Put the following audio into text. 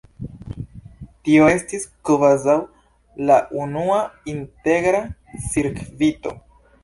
Tio estis kvazaŭ la unua integra cirkvito.